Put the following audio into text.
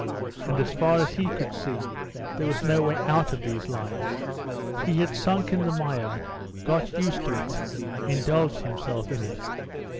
And, as far as he could see, there was no way out of these lies. He had sunk in the mire, got used to it, indulged himself in it.